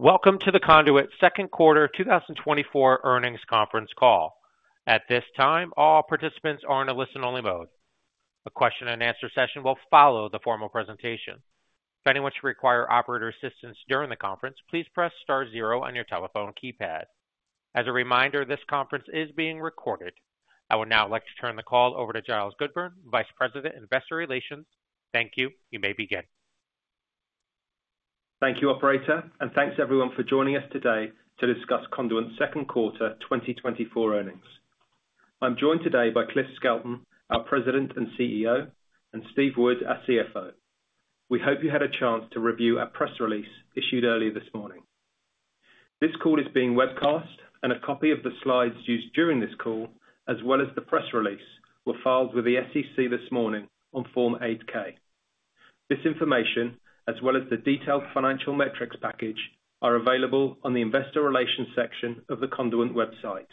Welcome to the Conduent second quarter 2024 earnings conference call. At this time, all participants are in a listen-only mode. A question-and-answer session will follow the formal presentation. If anyone should require operator assistance during the conference, please press star zero on your telephone keypad. As a reminder, this conference is being recorded. I would now like to turn the call over to Giles Goodburn, Vice President, Investor Relations. Thank you. You may begin. Thank you, operator, and thanks everyone for joining us today to discuss Conduent's second quarter 2024 earnings. I'm joined today by Cliff Skelton, our President and CEO, and Steve Wood, our CFO. We hope you had a chance to review our press release issued earlier this morning. This call is being webcast, and a copy of the slides used during this call, as well as the press release, were filed with the SEC this morning on Form 8-K. This information, as well as the detailed financial metrics package, are available on the Investor Relations section of the Conduent website.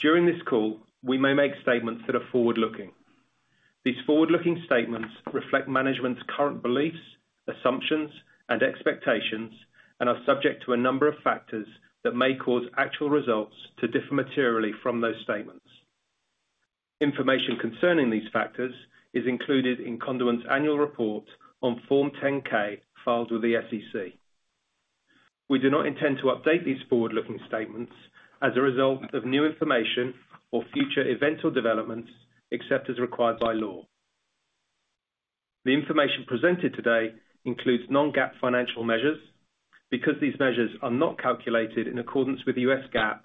During this call, we may make statements that are forward-looking. These forward-looking statements reflect management's current beliefs, assumptions, and expectations and are subject to a number of factors that may cause actual results to differ materially from those statements. Information concerning these factors is included in Conduent's annual report on Form 10-K, filed with the SEC. We do not intend to update these forward-looking statements as a result of new information or future events or developments, except as required by law. The information presented today includes non-GAAP financial measures. Because these measures are not calculated in accordance with the U.S. GAAP,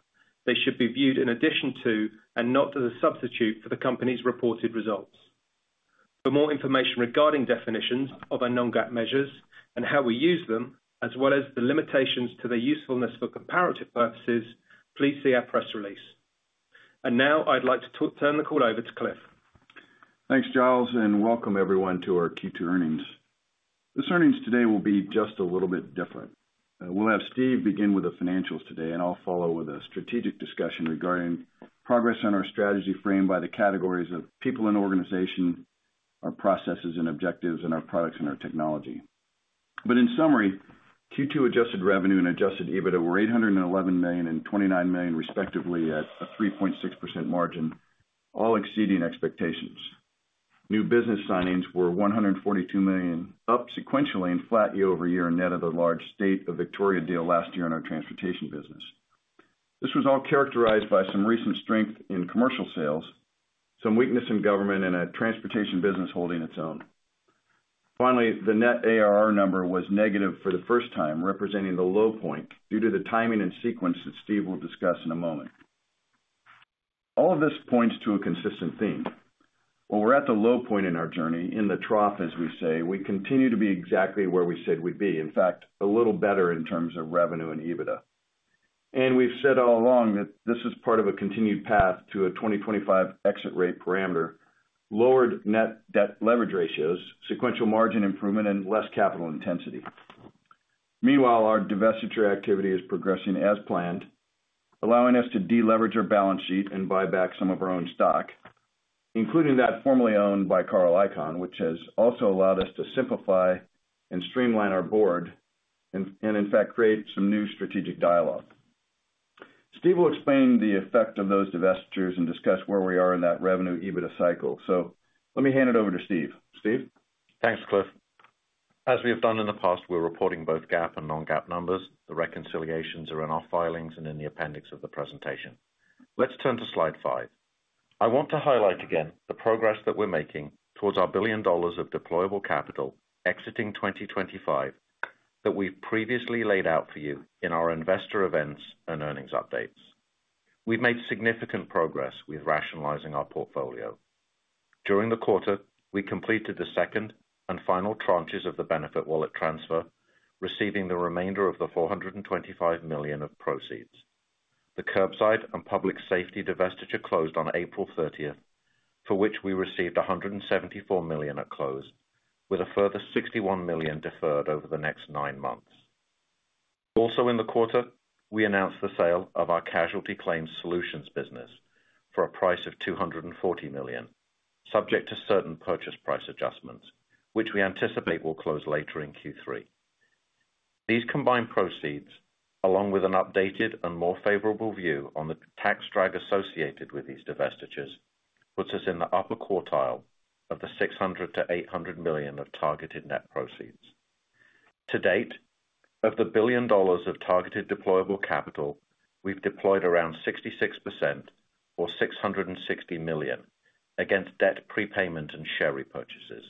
they should be viewed in addition to, and not as a substitute for, the company's reported results. For more information regarding definitions of our non-GAAP measures and how we use them, as well as the limitations to their usefulness for comparative purposes, please see our press release. Now, I'd like to turn the call over to Cliff. Thanks, Giles, and welcome everyone to our Q2 earnings. This earnings today will be just a little bit different. We'll have Steve begin with the financials today, and I'll follow with a strategic discussion regarding progress on our strategy, framed by the categories of people and organization, our processes and objectives, and our products and our technology. But in summary, Q2 adjusted revenue and adjusted EBITDA were $811 million and $29 million, respectively, at a 3.6% margin, all exceeding expectations. New business signings were $142 million, up sequentially and flat year-over-year, net of the large State of Victoria deal last year in our Transportation business. This was all characterized by some recent strength in commercial sales, some weakness in Government and Transportation business holding its own. Finally, the net ARR number was negative for the first time, representing the low point, due to the timing and sequence that Steve will discuss in a moment. All of this points to a consistent theme. While we're at the low point in our journey, in the trough, as we say, we continue to be exactly where we said we'd be, in fact, a little better in terms of revenue and EBITDA. We've said all along that this is part of a continued path to a 2025 exit rate parameter, lowered net debt leverage ratios, sequential margin improvement, and less capital intensity. Meanwhile, our divestiture activity is progressing as planned, allowing us to deleverage our balance sheet and buy back some of our own stock, including that formerly owned by Carl Icahn, which has also allowed us to simplify and streamline our board and, in fact, create some new strategic dialogue. Steve will explain the effect of those divestitures and discuss where we are in that revenue EBITDA cycle. So let me hand it over to Steve. Steve? Thanks, Cliff. As we have done in the past, we're reporting both GAAP and non-GAAP numbers. The reconciliations are in our filings and in the appendix of the presentation. Let's turn to slide five. I want to highlight again the progress that we're making towards our $1 billion of deployable capital exiting 2025, that we've previously laid out for you in our investor events and earnings updates. We've made significant progress with rationalizing our portfolio. During the quarter, we completed the second and final tranches of the BenefitWallet transfer, receiving the remainder of the $425 million of proceeds. The Curbside and Public Safety divestiture closed on April 30th, for which we received $174 million at close, with a further $61 million deferred over the next nine months. Also in the quarter, we announced the sale of our Casualty Claims Solutions business for a price of $240 million, subject to certain purchase price adjustments, which we anticipate will close later in Q3. These combined proceeds, along with an updated and more favorable view on the tax drag associated with these divestitures, puts us in the upper quartile of the $600 million-$800 million of targeted net proceeds. To date, of the $1 billion of targeted deployable capital, we've deployed around 66% or $660 million against debt prepayment and share repurchases.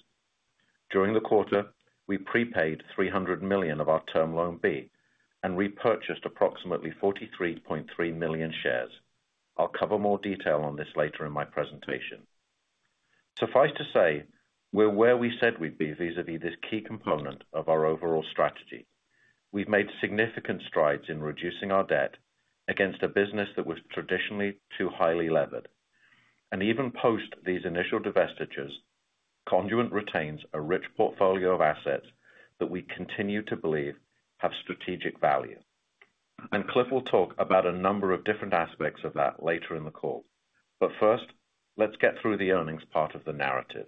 During the quarter, we prepaid $300 million of our Term Loan B and repurchased approximately 43.3 million shares. I'll cover more detail on this later in my presentation. Suffice to say, we're where we said we'd be vis-à-vis this key component of our overall strategy. We've made significant strides in reducing our debt against a business that was traditionally too highly levered. Even post these initial divestitures, Conduent retains a rich portfolio of assets that we continue to believe have strategic value. Cliff will talk about a number of different aspects of that later in the call. First, let's get through the earnings part of the narrative.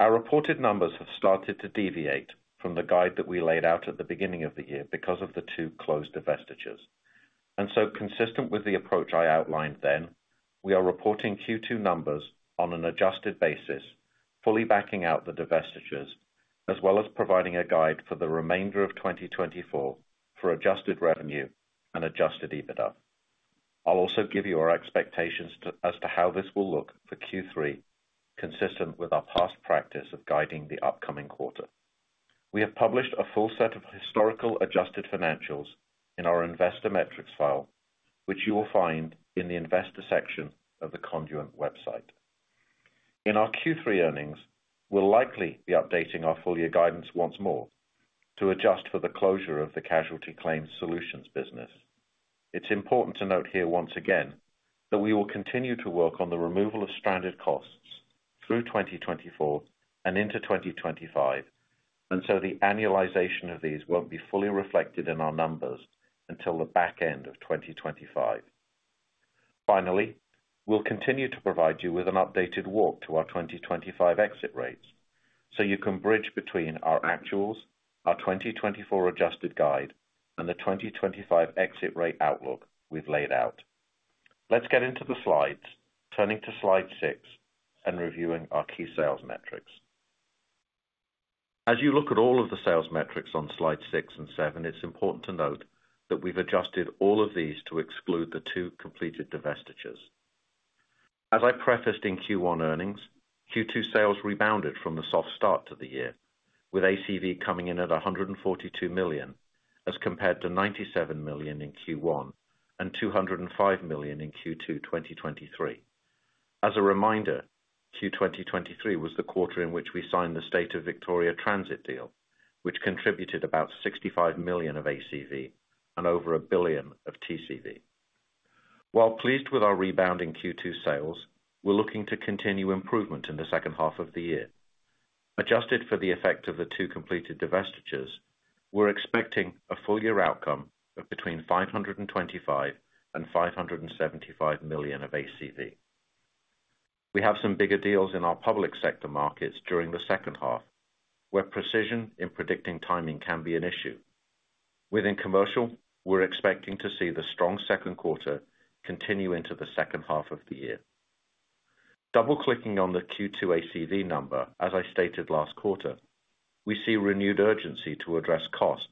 Our reported numbers have started to deviate from the guide that we laid out at the beginning of the year because of the two closed divestitures. Consistent with the approach I outlined then, we are reporting Q2 numbers on an adjusted basis, fully backing out the divestitures, as well as providing a guide for the remainder of 2024 for adjusted revenue and adjusted EBITDA. I'll also give you our expectations as to how this will look for Q3, consistent with our past practice of guiding the upcoming quarter. We have published a full set of historical adjusted financials in our Investor Metrics file, which you will find in the Investor section of the Conduent website. In our Q3 earnings, we'll likely be updating our full year guidance once more to adjust for the closure of the Casualty Claims Solutions business. It's important to note here once again, that we will continue to work on the removal of stranded costs through 2024 and into 2025, and so the annualization of these won't be fully reflected in our numbers until the back end of 2025. Finally, we'll continue to provide you with an updated walk to our 2025 exit rates, so you can bridge between our actuals, our 2024 adjusted guide, and the 2025 exit rate outlook we've laid out. Let's get into the slides, turning to slide six and reviewing our key sales metrics. As you look at all of the sales metrics on slide six and seven, it's important to note that we've adjusted all of these to exclude the two completed divestitures. As I prefaced in Q1 earnings, Q2 sales rebounded from the soft start to the year, with ACV coming in at $142 million, as compared to $97 million in Q1 and $205 million in Q2 2023. As a reminder, Q 2023 was the quarter in which we signed the State of Victoria Transit deal, which contributed about $65 million of ACV and over $1 billion of TCV. While pleased with our rebound in Q2 sales, we're looking to continue improvement in the second half of the year. Adjusted for the effect of the two completed divestitures, we're expecting a full year outcome of between $525 million and $575 million of ACV. We have some bigger deals in our public sector markets during the second half, where precision in predicting timing can be an issue. Within commercial, we're expecting to see the strong second quarter continue into the second half of the year. Double clicking on the Q2 ACV number, as I stated last quarter, we see renewed urgency to address cost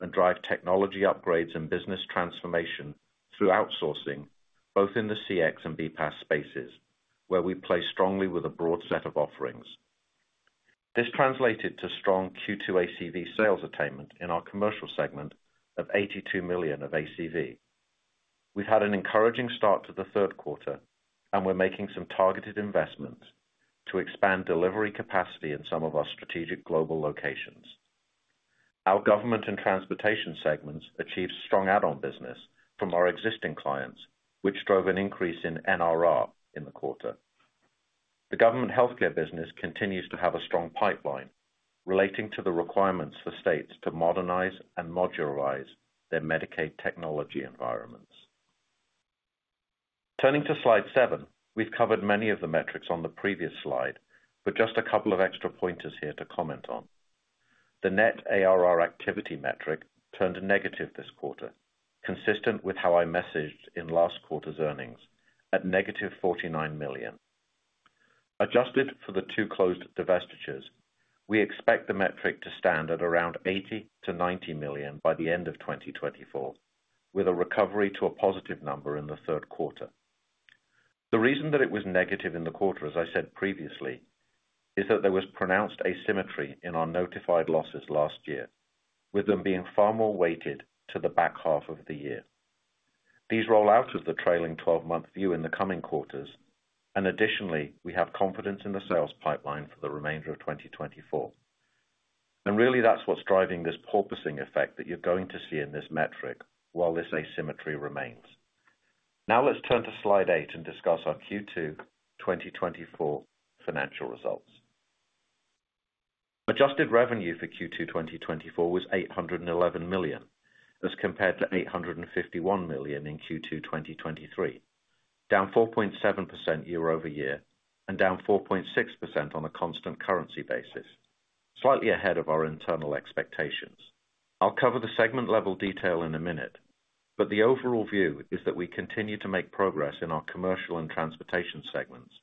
and drive technology upgrades and business transformation through outsourcing, both in the CX and BPaaS spaces, where we play strongly with a broad set of offerings. This translated to strong Q2 ACV sales attainment in our Commercial segment of $82 million of ACV. We've had an encouraging start to the third quarter, and we're making some targeted investments to expand delivery capacity in some of our strategic global locations. Our Government and Transportation segments achieved strong add-on business from our existing clients, which drove an increase in NRR in the quarter. The Government Healthcare business continues to have a strong pipeline relating to the requirements for states to modernize and modularize their Medicaid technology environments. Turning to slide seven, we've covered many of the metrics on the previous slide, but just a couple of extra pointers here to comment on. The net ARR activity metric turned negative this quarter, consistent with how I messaged in last quarter's earnings at -$49 million. Adjusted for the two closed divestitures, we expect the metric to stand at around $80 million-$90 million by the end of 2024, with a recovery to a positive number in the third quarter. The reason that it was negative in the quarter, as I said previously, is that there was pronounced asymmetry in our notified losses last year, with them being far more weighted to the back half of the year. These roll out of the trailing twelve-month view in the coming quarters, and additionally, we have confidence in the sales pipeline for the remainder of 2024. Really, that's what's driving this porpoising effect that you're going to see in this metric, while this asymmetry remains. Now, let's turn to slide eight and discuss our Q2 2024 financial results. Adjusted revenue for Q2 2024 was $811 million, as compared to $851 million in Q2 2023, down 4.7% year-over-year and down 4.6% on a constant currency basis, slightly ahead of our internal expectations. I'll cover the segment-level detail in a minute, but the overall view is that we continue to make progress in our Commercial and Transportation segments.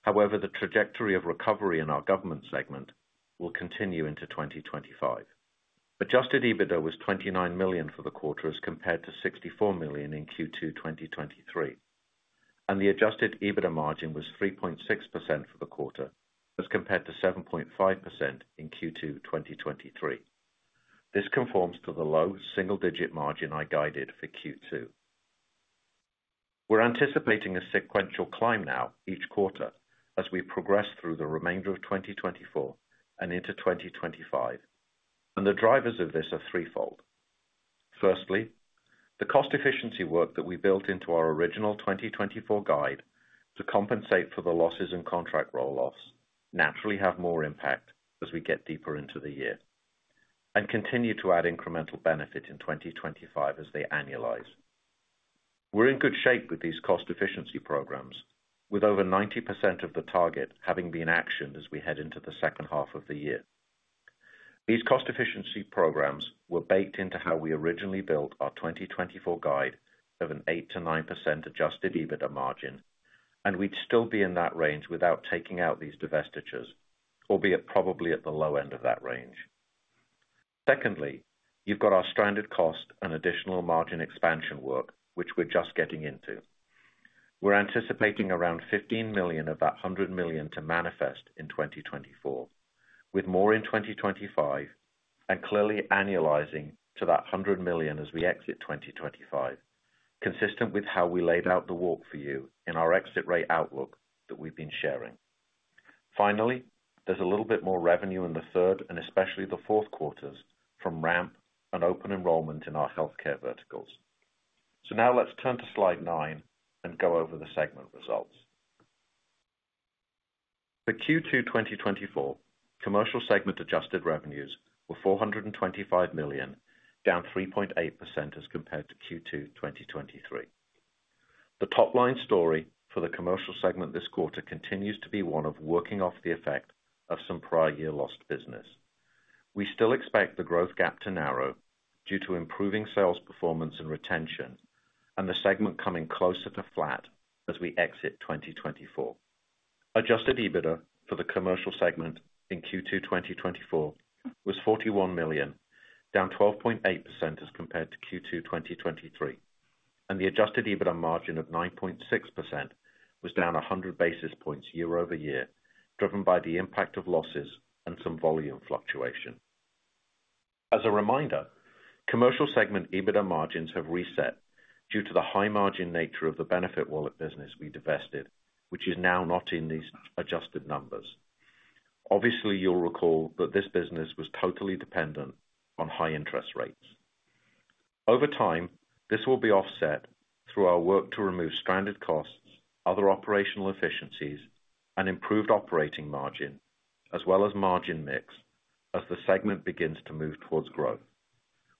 However, the trajectory of recovery in our Government segment will continue into 2025. Adjusted EBITDA was $29 million for the quarter, as compared to $64 million in Q2 2023, and the adjusted EBITDA margin was 3.6% for the quarter, as compared to 7.5% in Q2 2023. This conforms to the low single-digit margin I guided for Q2. We're anticipating a sequential climb now each quarter as we progress through the remainder of 2024 and into 2025, and the drivers of this are threefold. Firstly, the cost efficiency work that we built into our original 2024 guide to compensate for the losses and contract roll loss, naturally have more impact as we get deeper into the year and continue to add incremental benefit in 2025 as they annualize. We're in good shape with these cost efficiency programs, with over 90% of the target having been actioned as we head into the second half of the year. These cost efficiency programs were baked into how we originally built our 2024 guide of an 8%-9% Adjusted EBITDA margin, and we'd still be in that range without taking out these divestitures, albeit probably at the low end of that range. Secondly, you've got our stranded cost and additional margin expansion work, which we're just getting into. We're anticipating around $15 million of that $100 million to manifest in 2024, with more in 2025, and clearly annualizing to that $100 million as we exit 2025, consistent with how we laid out the work for you in our exit rate outlook that we've been sharing. Finally, there's a little bit more revenue in the third and especially the fourth quarters from ramp and open enrollment in our healthcare verticals. So now let's turn to slide nine and go over the segment results. For Q2 2024, Commercial segment adjusted revenues were $425 million, down 3.8% as compared to Q2 2023. The top-line story for the Commercial segment this quarter continues to be one of working off the effect of some prior year lost business. We still expect the growth gap to narrow due to improving sales, performance, and retention, and the segment coming closer to flat as we exit 2024. Adjusted EBITDA for the Commercial segment in Q2 2024 was $41 million, down 12.8% as compared to Q2 2023. The adjusted EBITDA margin of 9.6% was down 100 basis points year-over-year, driven by the impact of losses and some volume fluctuation. As a reminder, Commercial segment EBITDA margins have reset due to the high margin nature of the BenefitWallet business we divested, which is now not in these adjusted numbers. Obviously, you'll recall that this business was totally dependent on high interest rates. Over time, this will be offset through our work to remove stranded costs, other operational efficiencies, and improved operating margin, as well as margin mix, as the segment begins to move towards growth.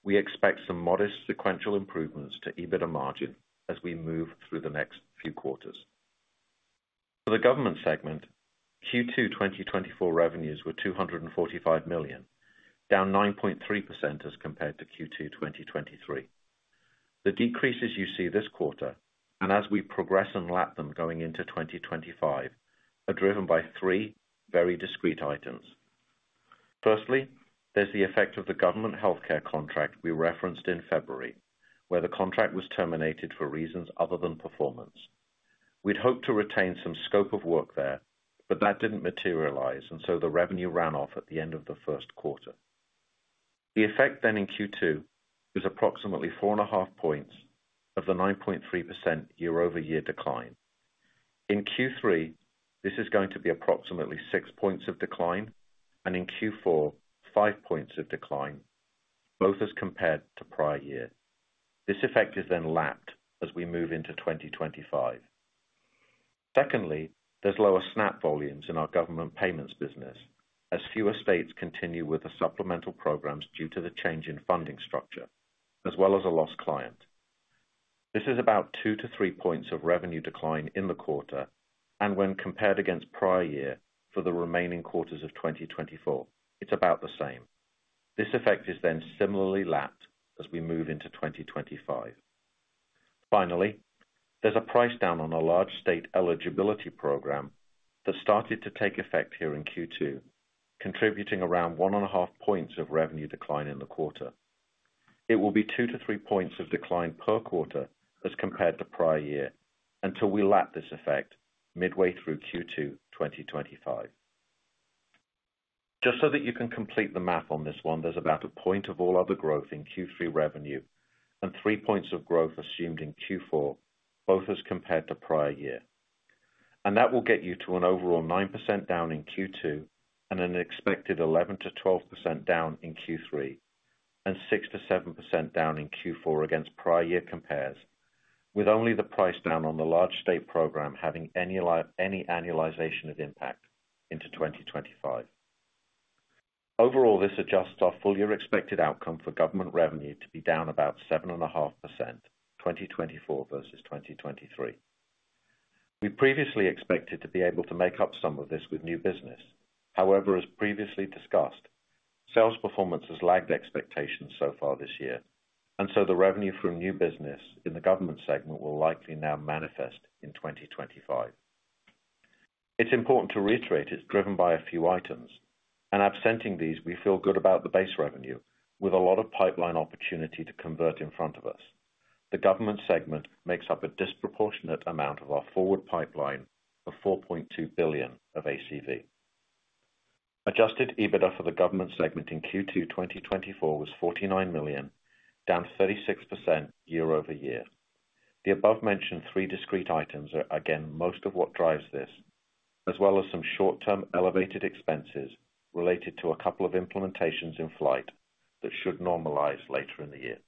We expect some modest sequential improvements to EBITDA margin as we move through the next few quarters. For the Government segment, Q2 2024 revenues were $245 million, down 9.3% as compared to Q2 2023. The decreases you see this quarter, and as we progress and lap them going into 2025, are driven by three very discrete items. Firstly, there's the effect of the Government Healthcare contract we referenced in February, where the contract was terminated for reasons other than performance. We'd hoped to retain some scope of work there, but that didn't materialize, and so the revenue ran off at the end of the first quarter. The effect then in Q2 was approximately 4.5 points of the 9.3% year-over-year decline. In Q3, this is going to be approximately 6 points of decline, and in Q4, 5 points of decline, both as compared to prior year. This effect is then lapped as we move into 2025. Secondly, there's lower SNAP volumes in our Government Payments business, as fewer states continue with the supplemental programs due to the change in funding structure, as well as a lost client. This is about 2-3 points of revenue decline in the quarter, and when compared against prior year for the remaining quarters of 2024, it's about the same. This effect is then similarly lapped as we move into 2025. Finally, there's a price down on a large state eligibility program that started to take effect here in Q2, contributing around 1.5 points of revenue decline in the quarter. It will be 2-3 points of decline per quarter as compared to prior year, until we lap this effect midway through Q2, 2025. Just so that you can complete the math on this one, there's about a point of all other growth in Q3 revenue and three points of growth assumed in Q4, both as compared to prior year. That will get you to an overall 9% down in Q2, and an expected 11%-12% down in Q3, and 6%-7% down in Q4 against prior year compares, with only the price down on the large state program having any annualization of impact into 2025. Overall, this adjusts our full year expected outcome for government revenue to be down about 7.5%, 2024 versus 2023. We previously expected to be able to make up some of this with new business. However, as previously discussed, sales performance has lagged expectations so far this year, and so the revenue from new business in the Government segment will likely now manifest in 2025. It's important to reiterate it's driven by a few items, and absenting these, we feel good about the base revenue, with a lot of pipeline opportunity to convert in front of us. The Government segment makes up a disproportionate amount of our forward pipeline of $4.2 billion of ACV. Adjusted EBITDA for the Government segment in Q2 2024 was $49 million, down 36% year-over-year. The above-mentioned three discrete items are again, most of what drives this, as well as some short-term elevated expenses related to a couple of implementations in flight that should normalize later in the year.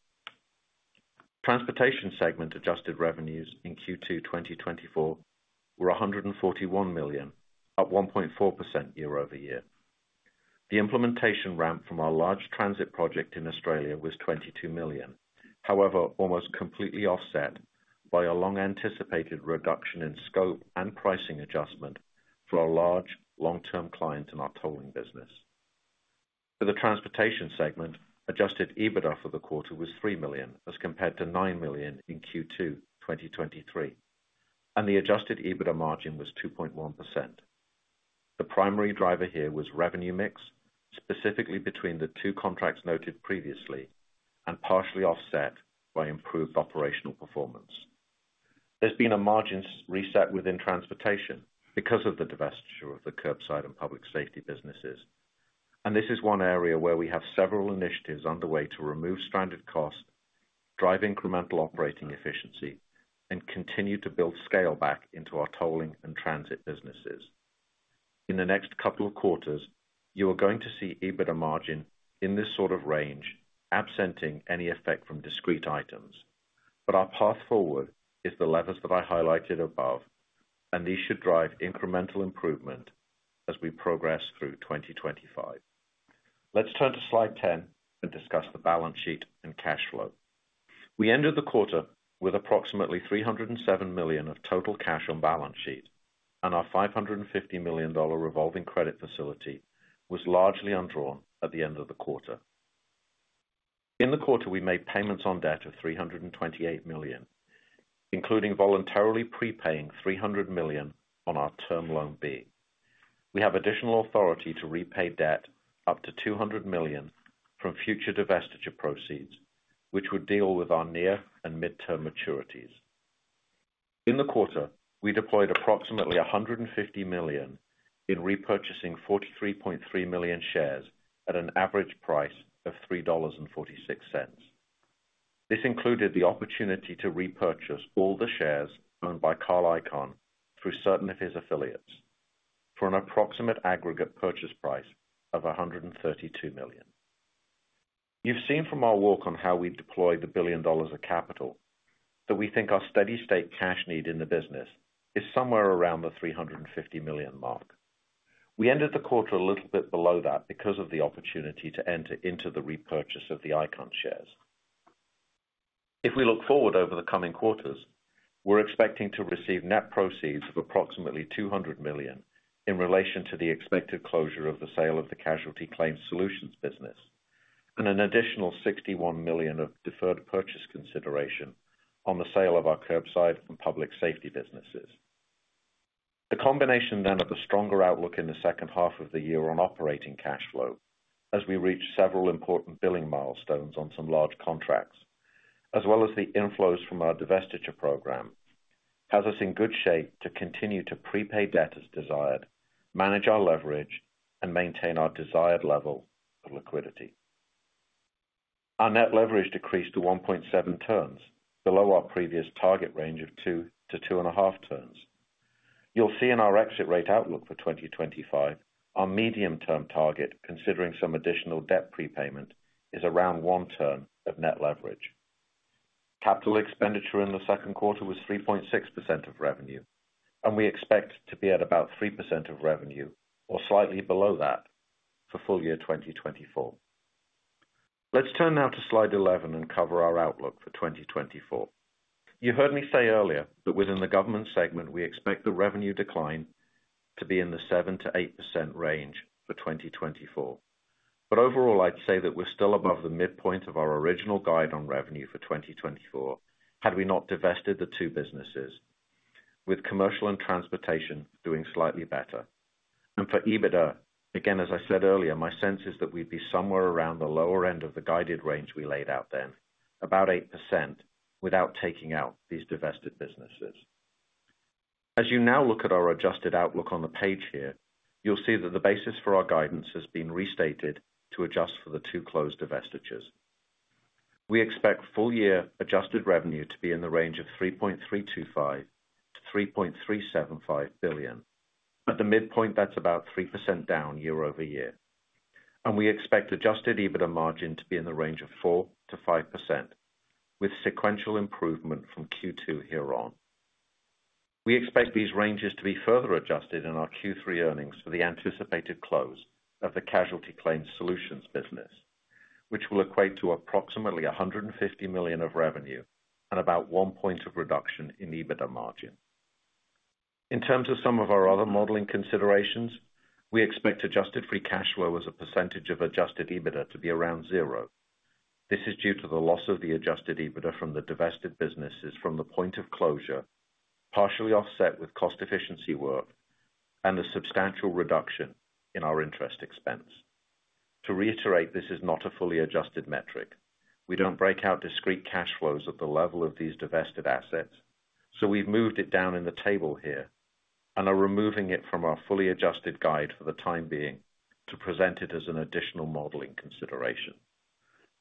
Transportation segment adjusted revenues in Q2 2024 were $141 million, up 1.4% year-over-year. The implementation ramp from our large transit project in Australia was $22 million. However, almost completely offset by a long anticipated reduction in scope and pricing adjustment for our large long-term client in our tolling business. For the Transportation segment, adjusted EBITDA for the quarter was $3 million, as compared to $9 million in Q2 2023, and the adjusted EBITDA margin was 2.1%. The primary driver here was revenue mix, specifically between the two contracts noted previously, and partially offset by improved operational performance. There's been a margin reset within transportation because of the divestiture of the curbside and public safety businesses, and this is one area where we have several initiatives underway to remove stranded costs, drive incremental operating efficiency, and continue to build scale back into our tolling and transit businesses. In the next couple of quarters, you are going to see EBITDA margin in this sort of range, absent any effect from discrete items. But our path forward is the levers that I highlighted above, and these should drive incremental improvement as we progress through 2025. Let's turn to Slide 10 and discuss the balance sheet and cash flow. We ended the quarter with approximately $307 million of total cash on balance sheet, and our $550 million revolving credit facility was largely undrawn at the end of the quarter. In the quarter, we made payments on debt of $328 million, including voluntarily prepaying $300 million on our Term Loan B. We have additional authority to repay debt up to $200 million from future divestiture proceeds, which would deal with our near and midterm maturities. In the quarter, we deployed approximately $150 million in repurchasing 43.3 million shares at an average price of $3.46. This included the opportunity to repurchase all the shares owned by Carl Icahn through certain of his affiliates for an approximate aggregate purchase price of $132 million. You've seen from our work on how we've deployed $1 billion of capital, that we think our steady state cash need in the business is somewhere around the $350 million mark. We ended the quarter a little bit below that because of the opportunity to enter into the repurchase of the Icahn shares. If we look forward over the coming quarters, we're expecting to receive net proceeds of approximately $200 million in relation to the expected closure of the sale of the Casualty Claims Solutions business, and an additional $61 million of deferred purchase consideration on the sale of our Curbside and Public Safety businesses. The combination then of the stronger outlook in the second half of the year on operating cash flow, as we reach several important billing milestones on some large contracts, as well as the inflows from our divestiture program, has us in good shape to continue to prepay debt as desired, manage our leverage, and maintain our desired level of liquidity. Our net leverage decreased to 1.7 turns, below our previous target range of 2-2.5 turns. You'll see in our exit rate outlook for 2025, our medium-term target, considering some additional debt prepayment, is around 1 turn of net leverage. Capital expenditure in the second quarter was 3.6% of revenue, and we expect to be at about 3% of revenue, or slightly below that, for full year 2024. Let's turn now to Slide 11 and cover our outlook for 2024. You heard me say earlier that within the Government segment, we expect the revenue decline to be in the 7%-8% range for 2024. Overall, I'd say that we're still above the midpoint of our original guide on revenue for 2024, had we not divested the two businesses, with Commercial and Transportation doing slightly better. For EBITDA, again, as I said earlier, my sense is that we'd be somewhere around the lower end of the guided range we laid out then, about 8%, without taking out these divested businesses. As you now look at our adjusted outlook on the page here, you'll see that the basis for our guidance has been restated to adjust for the two closed divestitures. We expect full year adjusted revenue to be in the range of $3.325 billion-$3.375 billion. At the midpoint, that's about 3% down year-over-year, and we expect adjusted EBITDA margin to be in the range of 4%-5%, with sequential improvement from Q2 here on. We expect these ranges to be further adjusted in our Q3 earnings for the anticipated close of the Casualty Claims Solutions business, which will equate to approximately $150 million of revenue and about 1 point of reduction in EBITDA margin. In terms of some of our other modeling considerations, we expect adjusted free cash flow as a percentage of adjusted EBITDA to be around 0%. This is due to the loss of the adjusted EBITDA from the divested businesses from the point of closure, partially offset with cost efficiency work and a substantial reduction in our interest expense. To reiterate, this is not a fully adjusted metric. We don't break out discrete cash flows at the level of these divested assets, so we've moved it down in the table here and are removing it from our fully adjusted guide for the time being to present it as an additional modeling consideration.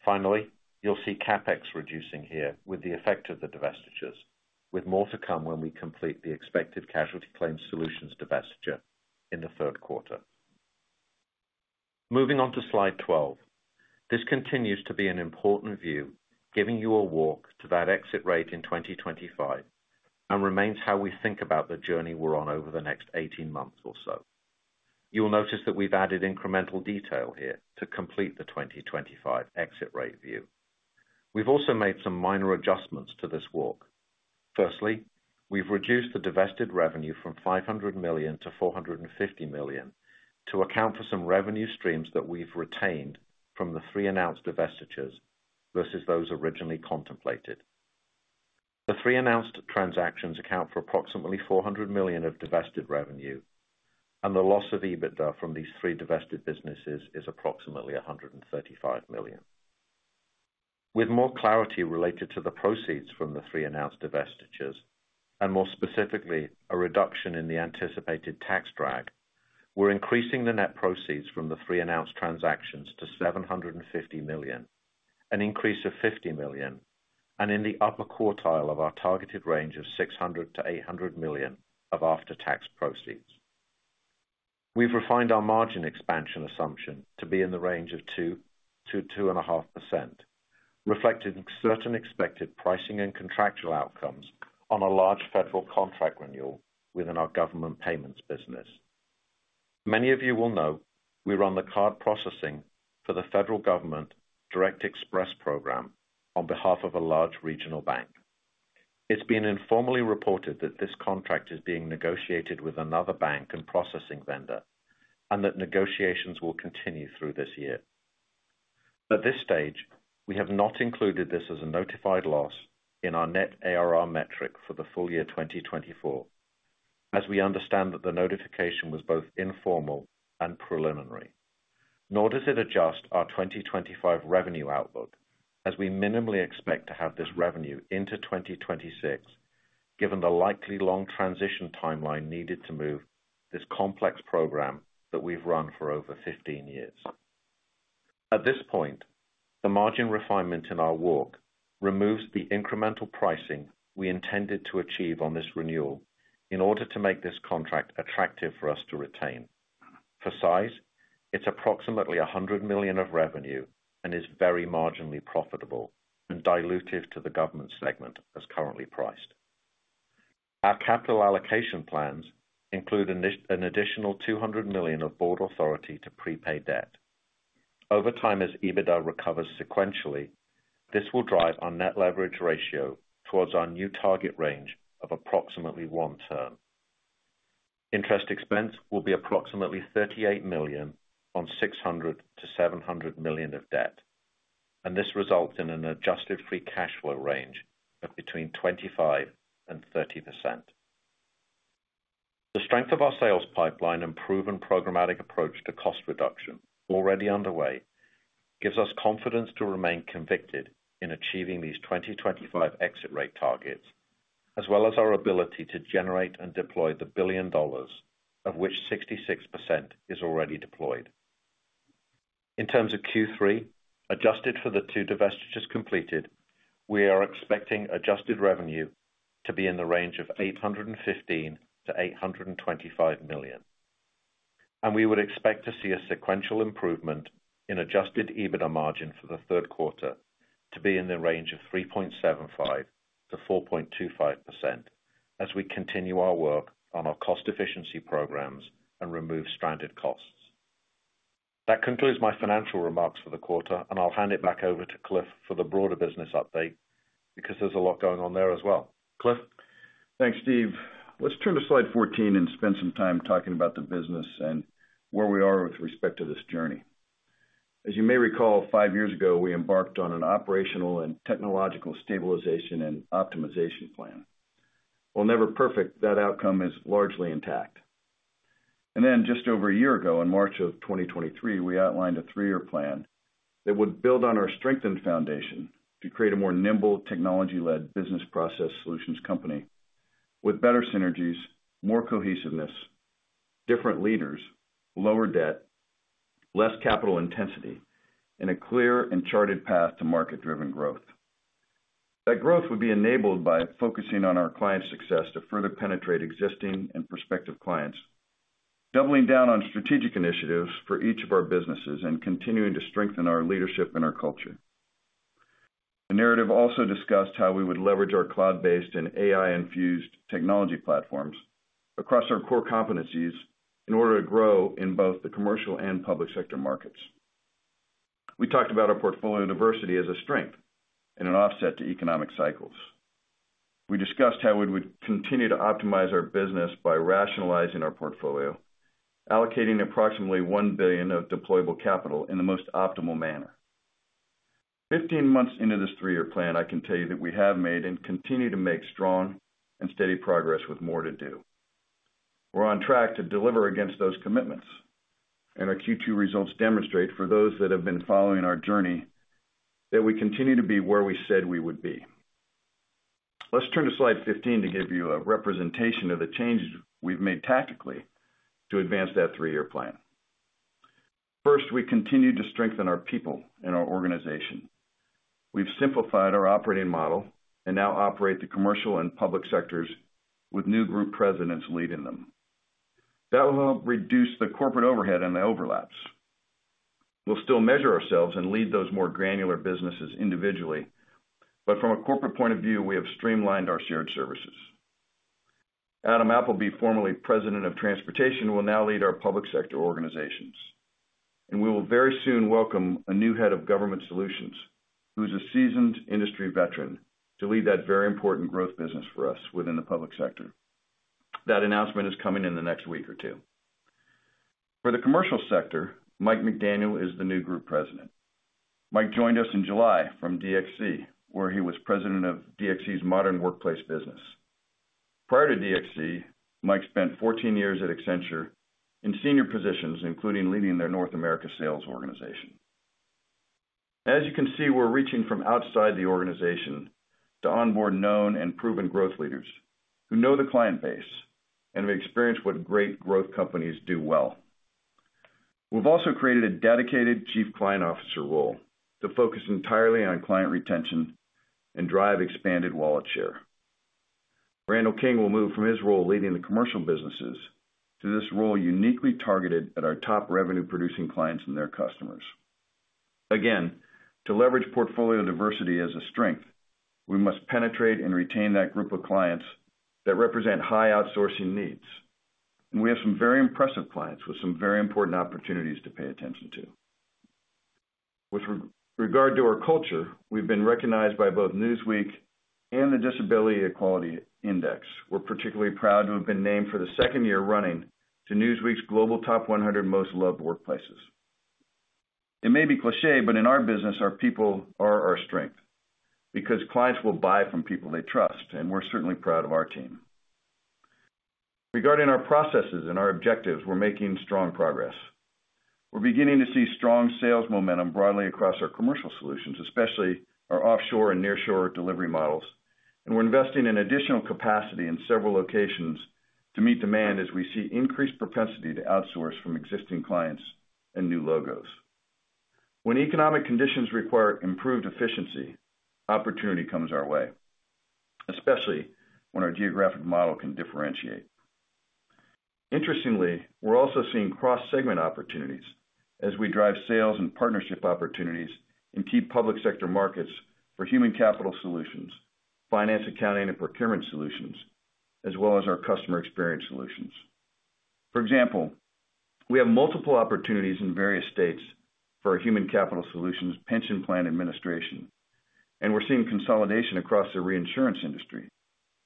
Finally, you'll see CapEx reducing here with the effect of the divestitures, with more to come when we complete the expected Casualty Claims Solutions divestiture in the third quarter. Moving on to slide 12. This continues to be an important view, giving you a walk to that exit rate in 2025, and remains how we think about the journey we're on over the next 18 months or so. You'll notice that we've added incremental detail here to complete the 2025 exit rate view. We've also made some minor adjustments to this walk. Firstly, we've reduced the divested revenue from $500 million to $450 million to account for some revenue streams that we've retained from the three announced divestitures versus those originally contemplated. The three announced transactions account for approximately $400 million of divested revenue, and the loss of EBITDA from these three divested businesses is approximately $135 million. With more clarity related to the proceeds from the three announced divestitures, and more specifically, a reduction in the anticipated tax drag, we're increasing the net proceeds from the three announced transactions to $750 million, an increase of $50 million, and in the upper quartile of our targeted range of $600 million-$800 million of after-tax proceeds. We've refined our margin expansion assumption to be in the range of 2%-2.5%, reflecting certain expected pricing and contractual outcomes on a large federal contract renewal within our government payments business. Many of you will know, we run the card processing for the federal government Direct Express program on behalf of a large regional bank. It's been informally reported that this contract is being negotiated with another bank and processing vendor, and that negotiations will continue through this year. At this stage, we have not included this as a notified loss in our net ARR metric for the full year 2024, as we understand that the notification was both informal and preliminary, nor does it adjust our 2025 revenue outlook, as we minimally expect to have this revenue into 2026, given the likely long transition timeline needed to move this complex program that we've run for over 15 years. At this point, the margin refinement in our walk removes the incremental pricing we intended to achieve on this renewal in order to make this contract attractive for us to retain. For size, it's approximately $100 million of revenue and is very marginally profitable and dilutive to the Government segment as currently priced. Our Capital Allocation plans include an additional $200 million of board authority to prepaid debt. Over time, as EBITDA recovers sequentially, this will drive our net leverage ratio towards our new target range of approximately 1x. Interest expense will be approximately $38 million on $600 million-$700 million of debt, and this results in an adjusted free cash flow range of between 25% and 30%. The strength of our sales pipeline and proven programmatic approach to cost reduction already underway, gives us confidence to remain convicted in achieving these 2025 exit rate targets, as well as our ability to generate and deploy the $1 billion, of which 66% is already deployed. In terms of Q3, adjusted for the two divestitures completed, we are expecting adjusted revenue to be in the range of $815 million-$825 million. We would expect to see a sequential improvement in Adjusted EBITDA margin for the third quarter to be in the range of 3.75%-4.25%, as we continue our work on our cost efficiency programs and remove stranded costs. That concludes my financial remarks for the quarter, and I'll hand it back over to Cliff for the broader business update, because there's a lot going on there as well. Cliff? Thanks, Steve. Let's turn to slide 14 and spend some time talking about the business and where we are with respect to this journey. As you may recall, five years ago, we embarked on an operational and technological stabilization and optimization plan. While never perfect, that outcome is largely intact. And then just over a year ago, in March of 2023, we outlined a three-year plan that would build on our strengthened foundation to create a more nimble, technology-led business process solutions company with better synergies, more cohesiveness, different leaders, lower debt, less capital intensity, and a clear and charted path to market-driven growth. That growth would be enabled by focusing on our clients' success to further penetrate existing and prospective clients, doubling down on strategic initiatives for each of our businesses, and continuing to strengthen our leadership and our culture. The narrative also discussed how we would leverage our cloud-based and AI-infused technology platforms across our core competencies in order to grow in both the commercial and public sector markets. We talked about our portfolio diversity as a strength and an offset to economic cycles. We discussed how we would continue to optimize our business by rationalizing our portfolio, allocating approximately $1 billion of deployable capital in the most optimal manner. 15 months into this three-year plan, I can tell you that we have made and continue to make strong and steady progress with more to do. We're on track to deliver against those commitments, and our Q2 results demonstrate for those that have been following our journey, that we continue to be where we said we would be. Let's turn to slide 15 to give you a representation of the changes we've made tactically to advance that three-year plan. First, we continue to strengthen our people and our organization. We've simplified our operating model and now operate the commercial and public sectors with new group presidents leading them. That will help reduce the corporate overhead and the overlaps. We'll still measure ourselves and lead those more granular businesses individually, but from a corporate point of view, we have streamlined our shared services. Adam Appleby, formerly President of Transportation, will now lead our public sector organizations, and we will very soon welcome a new head of Government Solutions, who's a seasoned industry veteran, to lead that very important growth business for us within the public sector. That announcement is coming in the next week or two. For the Commercial sector, Mike McDaniel is the new Group President. Mike joined us in July from DXC, where he was President of DXC's Modern Workplace business. Prior to DXC, Mike spent 14 years at Accenture in senior positions, including leading their North America sales organization. As you can see, we're reaching from outside the organization to onboard known and proven growth leaders who know the client base and have experienced what great growth companies do well. We've also created a dedicated Chief Client Officer role to focus entirely on client retention and drive expanded wallet share. Randall King will move from his role leading the commercial businesses to this role, uniquely targeted at our top revenue-producing clients and their customers. Again, to leverage portfolio diversity as a strength, we must penetrate and retain that group of clients that represent high outsourcing needs. And we have some very impressive clients with some very important opportunities to pay attention to. With regard to our culture, we've been recognized by both Newsweek and the Disability Equality Index. We're particularly proud to have been named for the second year running to Newsweek's Global Top 100 Most Loved Workplaces. It may be cliché, but in our business, our people are our strength, because clients will buy from people they trust, and we're certainly proud of our team. Regarding our processes and our objectives, we're making strong progress. We're beginning to see strong sales momentum broadly across our commercial solutions, especially our offshore and nearshore delivery models, and we're investing in additional capacity in several locations to meet demand as we see increased propensity to outsource from existing clients and new logos. When economic conditions require improved efficiency, opportunity comes our way, especially when our geographic model can differentiate. Interestingly, we're also seeing cross-segment opportunities as we drive sales and partnership opportunities in key public sector markets for human capital solutions, finance, accounting and procurement solutions, as well as our customer experience solutions. For example, we have multiple opportunities in various states for our Human Capital Solutions Pension Plan Administration, and we're seeing consolidation across the reinsurance industry,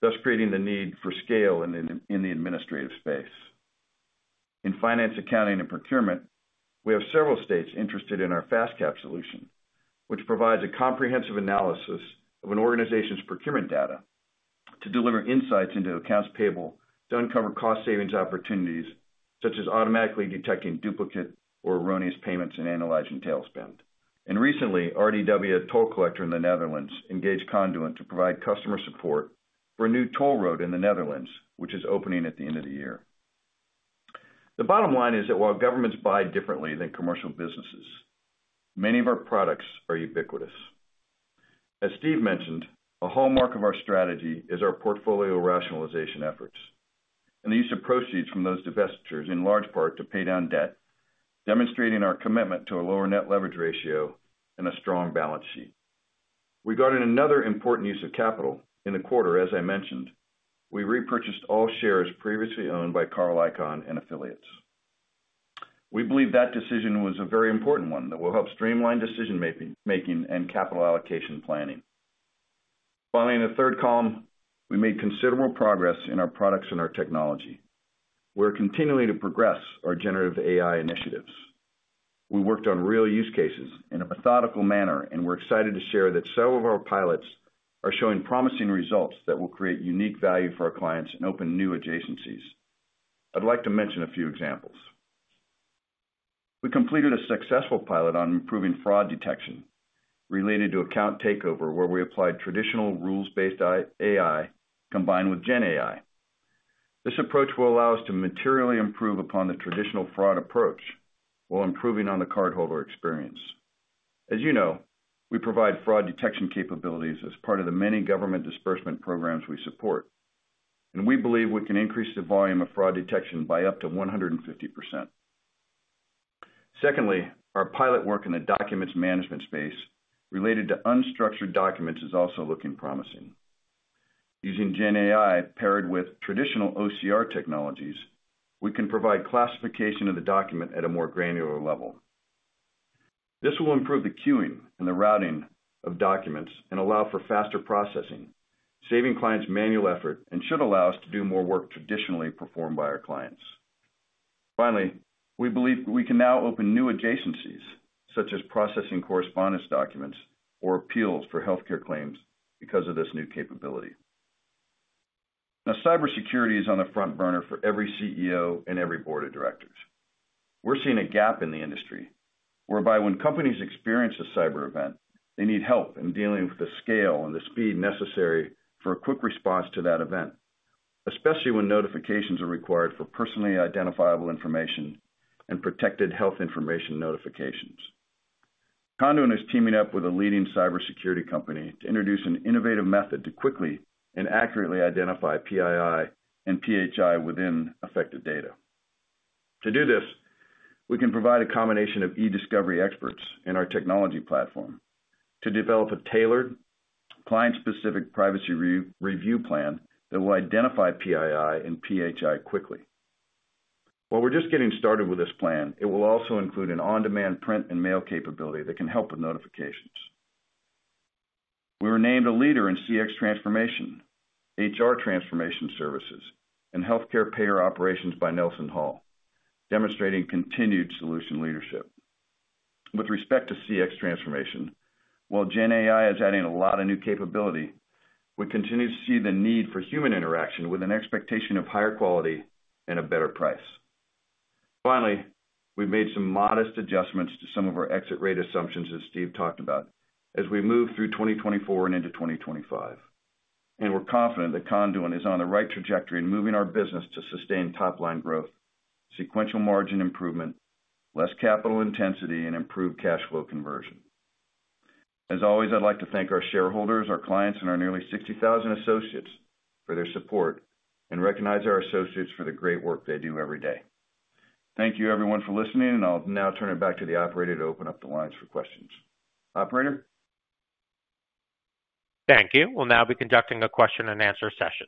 thus creating the need for scale in the administrative space. In finance, accounting and procurement, we have several states interested in our FastCap solution, which provides a comprehensive analysis of an organization's procurement data to deliver insights into accounts payable, to uncover cost savings opportunities, such as automatically detecting duplicate or erroneous payments and analyzing tail spend. Recently, RDW, a toll collector in the Netherlands, engaged Conduent to provide customer support for a new toll road in the Netherlands, which is opening at the end of the year. The bottom line is that while governments buy differently than commercial businesses, many of our products are ubiquitous. As Steve mentioned, a hallmark of our strategy is our portfolio rationalization efforts and the use of proceeds from those divestitures, in large part to pay down debt, demonstrating our commitment to a lower net leverage ratio and a strong balance sheet. Regarding another important use of capital, in the quarter, as I mentioned, we repurchased all shares previously owned by Carl Icahn and affiliates. We believe that decision was a very important one that will help streamline decision-making and capital allocation planning. Finally, in the third column, we made considerable progress in our products and our technology. We're continuing to progress our generative AI initiatives. We worked on real use cases in a methodical manner, and we're excited to share that several of our pilots are showing promising results that will create unique value for our clients and open new adjacencies. I'd like to mention a few examples. We completed a successful pilot on improving fraud detection related to account takeover, where we applied traditional rules-based AI, combined with GenAI. This approach will allow us to materially improve upon the traditional fraud approach while improving on the cardholder experience. As you know, we provide fraud detection capabilities as part of the many government disbursement programs we support, and we believe we can increase the volume of fraud detection by up to 150%. Secondly, our pilot work in the Documents Management space related to unstructured documents is also looking promising. Using GenAI, paired with traditional OCR technologies, we can provide classification of the document at a more granular level. This will improve the queuing and the routing of documents and allow for faster processing, saving clients manual effort, and should allow us to do more work traditionally performed by our clients. Finally, we believe we can now open new adjacencies, such as processing correspondence documents or appeals for healthcare claims because of this new capability. Now, cybersecurity is on the front burner for every CEO and every board of directors. We're seeing a gap in the industry whereby when companies experience a cyber event, they need help in dealing with the scale and the speed necessary for a quick response to that event, especially when notifications are required for personally identifiable information and protected health information notifications. Conduent is teaming up with a leading cybersecurity company to introduce an innovative method to quickly and accurately identify PII and PHI within affected data. To do this, we can provide a combination of e-discovery experts in our technology platform to develop a tailored, client-specific privacy review plan that will identify PII and PHI quickly. While we're just getting started with this plan, it will also include an on-demand print and mail capability that can help with notifications. We were named a leader in CX Transformation, HR Transformation Services, and Healthcare Payer Operations by NelsonHall, demonstrating continued solution leadership. With respect to CX transformation, while GenAI is adding a lot of new capability, we continue to see the need for human interaction with an expectation of higher quality and a better price. Finally, we've made some modest adjustments to some of our exit rate assumptions, as Steve talked about, as we move through 2024 and into 2025, and we're confident that Conduent is on the right trajectory in moving our business to sustain top line growth, sequential margin improvement, less capital intensity, and improved cash flow conversion. As always, I'd like to thank our shareholders, our clients, and our nearly 60,000 associates for their support and recognize our associates for the great work they do every day. Thank you, everyone, for listening, and I'll now turn it back to the operator to open up the lines for questions. Operator? Thank you. We'll now be conducting a question-and-answer session.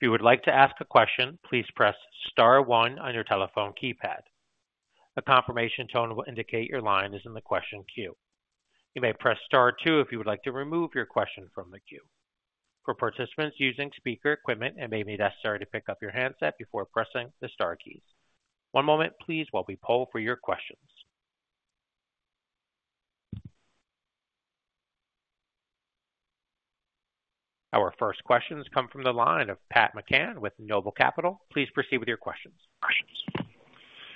If you would like to ask a question, please press star one on your telephone keypad. A confirmation tone will indicate your line is in the question queue. You may press star two if you would like to remove your question from the queue. For participants using speaker equipment, it may be necessary to pick up your handset before pressing the star keys. One moment, please, while we poll for your questions. Our first questions come from the line of Pat McCann with Noble Capital. Please proceed with your questions.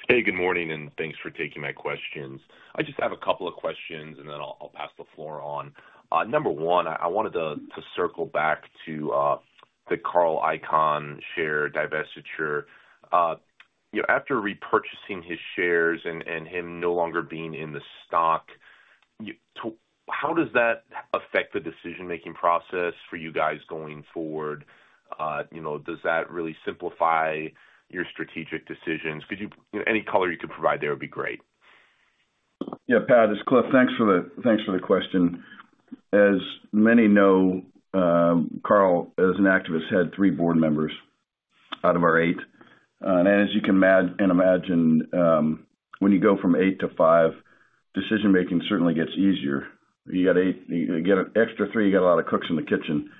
Hey, good morning, and thanks for taking my questions. I just have a couple of questions, and then I'll pass the floor on. Number one, I wanted to circle back to the Carl Icahn share divestiture. You know, after repurchasing his shares and him no longer being in the stock, how does that affect the decision-making process for you guys going forward? You know, does that really simplify your strategic decisions? Could you, you know, any color you could provide there would be great. Yeah, Pat, it's Cliff. Thanks for the, thanks for the question. As many know, Carl, as an activist, had three board members out of our eight. As you can imagine, when you go from eight to five, decision-making certainly gets easier. You get an extra three, you got a lot of cooks in the kitchen,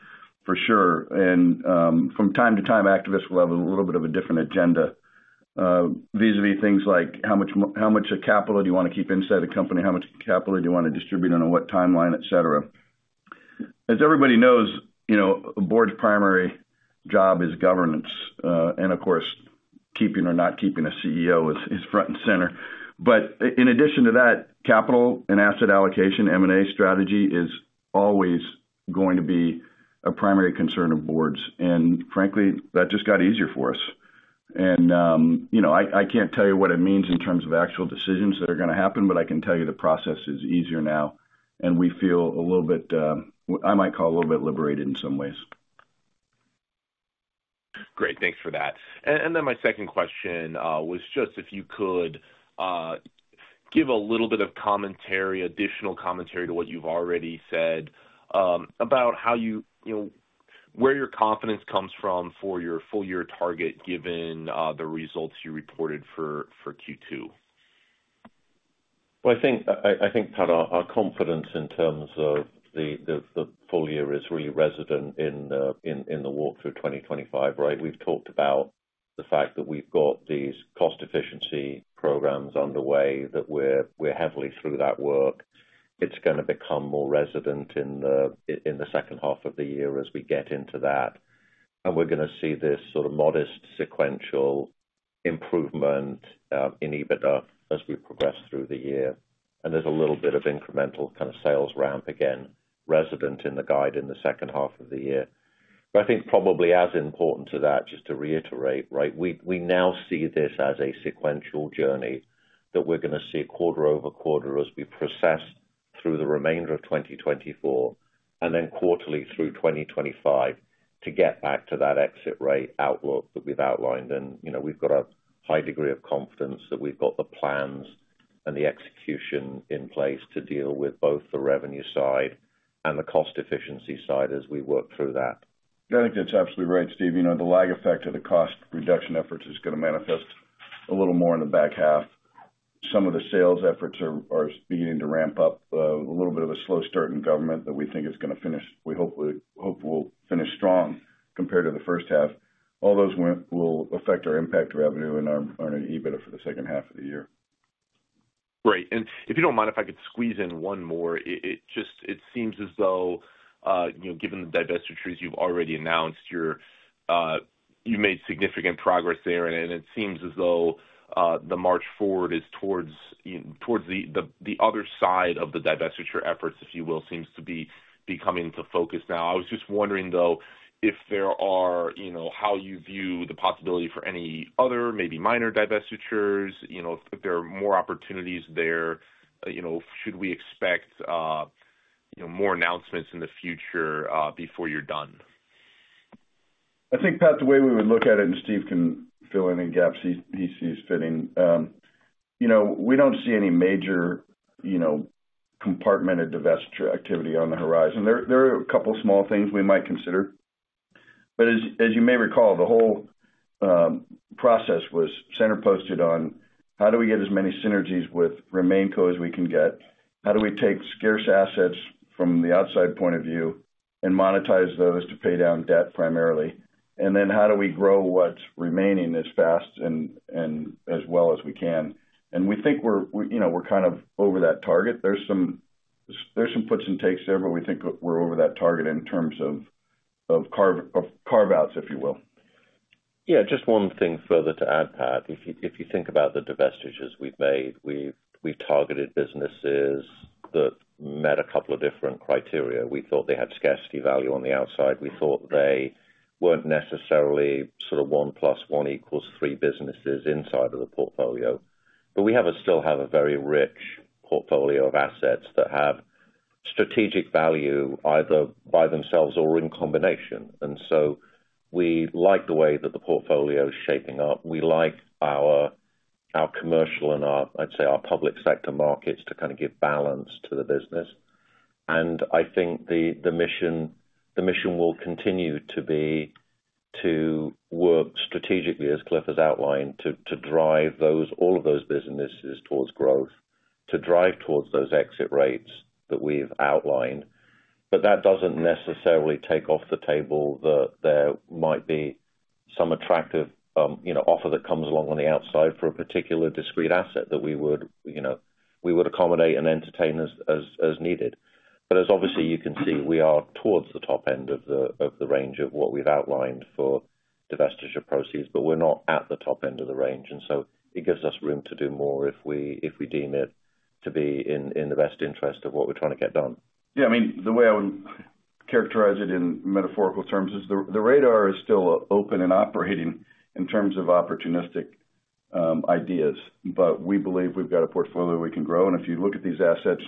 for sure, and from time to time, activists will have a little bit of a different agenda vis-a-vis things like how much capital do you want to keep inside the company? How much capital do you want to distribute, and on what timeline, et cetera. As everybody knows, you know, a board's primary job is governance, and of course, keeping or not keeping a CEO is front and center. But in addition to that, capital and asset allocation, M&A strategy is always going to be a primary concern of boards, and frankly, that just got easier for us. And, you know, I, I can't tell you what it means in terms of actual decisions that are gonna happen, but I can tell you the process is easier now, and we feel a little bit, I might call a little bit liberated in some ways. Great, thanks for that. And then my second question was just if you could give a little bit of commentary, additional commentary to what you've already said, about how you... You know, where your confidence comes from for your full year target, given the results you reported for Q2? Well, I think, Pat, our confidence in terms of the full year is really resident in the walk through 2025, right? We've talked about the fact that we've got these cost efficiency programs underway, that we're heavily through that work. It's gonna become more resident in the second half of the year as we get into that, and we're gonna see this sort of modest sequential improvement in EBITDA as we progress through the year. And there's a little bit of incremental kind of sales ramp, again, resident in the guide in the second half of the year. But I think probably as important to that, just to reiterate, right, we, we now see this as a sequential journey that we're gonna see quarter-over-quarter as we progress through the remainder of 2024, and then quarterly through 2025 to get back to that exit rate outlook that we've outlined. And, you know, we've got a high degree of confidence that we've got the plans and the execution in place to deal with both the revenue side and the cost efficiency side as we work through that. I think that's absolutely right, Steve. You know, the lag effect of the cost reduction efforts is gonna manifest a little more in the back half. Some of the sales efforts are beginning to ramp up. A little bit of a slow start in government that we think is gonna finish. We hope will finish strong compared to the first half. All those wins will affect our impact revenue and our EBITDA for the second half of the year. Great. And if you don't mind, if I could squeeze in one more. It just seems as though, you know, given the divestitures you've already announced, you made significant progress there, and it seems as though, the march forward is towards towards the other side of the divestiture efforts, if you will, seems to be coming to focus now. I was just wondering, though, if there are... You know, how you view the possibility for any other, maybe minor divestitures, you know, if there are more opportunities there, you know, should we expect, you know, more announcements in the future, before you're done? I think, Pat, the way we would look at it, and Steve can fill in any gaps he sees fitting, you know, we don't see any major, you know, contemplated divestiture activity on the horizon. There are a couple small things we might consider, but as you may recall, the whole process was centered on how do we get as many synergies with RemainCo as we can get? How do we take scarce assets from the outside point of view and monetize those to pay down debt primarily? And then how do we grow what's remaining as fast and as well as we can? And we think we're, you know, we're kind of over that target. There's some puts and takes there, but we think we're over that target in terms of carve-outs, if you will. Yeah, just one thing further to add, Pat. If you, if you think about the divestitures we've made, we've, we've targeted businesses that met a couple of different criteria. We thought they had scarcity value on the outside. We thought they weren't necessarily sort of 1+1 = 3 businesses inside of the portfolio. But we still have a very rich portfolio of assets that have strategic value, either by themselves or in combination. And so we like the way that the portfolio is shaping up. We like our commercial and our, I'd say, our public sector markets to kind of give balance to the business. And I think the, the mission, the mission will continue to be to work strategically, as Cliff has outlined to drive all of those businesses towards growth, to drive towards those exit rates that we've outlined. But that doesn't necessarily take off the table that there might be some attractive, you know, offer that comes along on the outside for a particular discrete asset that we would, you know, we would accommodate and entertain as needed. But as obviously you can see, we are towards the top end of the range of what we've outlined for divestiture proceeds, but we're not at the top end of the range, and so it gives us room to do more if we deem it to be in the best interest of what we're trying to get done. Yeah, I mean, the way I would characterize it in metaphorical terms is the radar is still open and operating in terms of opportunistic ideas, but we believe we've got a portfolio we can grow. And if you look at these assets,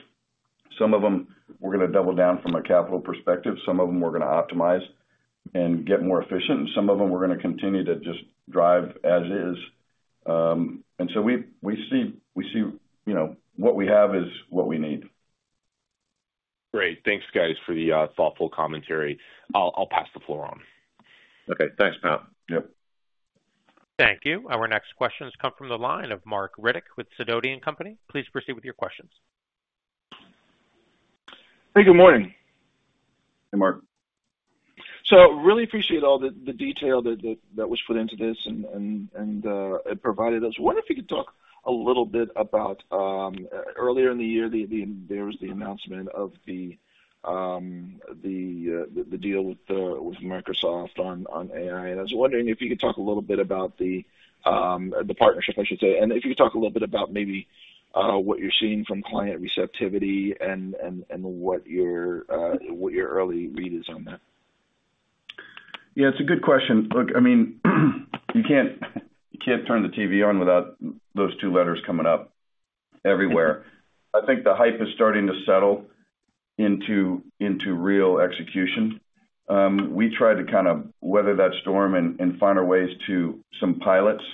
some of them we're gonna double down from a capital perspective, some of them we're gonna optimize and get more efficient, and some of them we're gonna continue to just drive as is. And so we see, you know, what we have is what we need. Great. Thanks, guys, for the thoughtful commentary. I'll pass the floor on. Okay, thanks, Pat. Yep. Thank you. Our next question has come from the line of Marc Riddick with Sidoti & Company. Please proceed with your questions. Hey, good morning. Hey, Marc. So really appreciate all the detail that was put into this and it provided us. Wonder if you could talk a little bit about earlier in the year, there was the announcement of the deal with Microsoft on AI. And I was wondering if you could talk a little bit about the partnership, I should say. And if you could talk a little bit about maybe what you're seeing from client receptivity and what your early read is on that. Yeah, it's a good question. Look, I mean, you can't turn the TV on without those two letters coming up everywhere. I think the hype is starting to settle into real execution. We tried to kind of weather that storm and find our ways to some pilots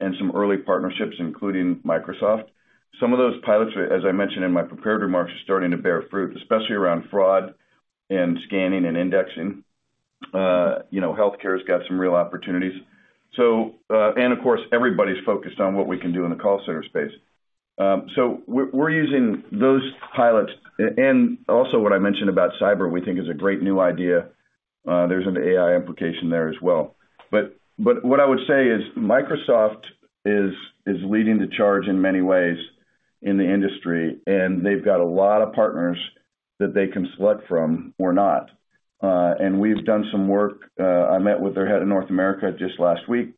and some early partnerships, including Microsoft. Some of those pilots, as I mentioned in my prepared remarks, are starting to bear fruit, especially around fraud and scanning and indexing. You know, healthcare has got some real opportunities. So, and of course, everybody's focused on what we can do in the call center space. So we're using those pilots. And also what I mentioned about cyber, we think is a great new idea. There's an AI implication there as well. But what I would say is Microsoft is leading the charge in many ways in the industry, and they've got a lot of partners that they can select from. We're not. And we've done some work. I met with their head of North America just last week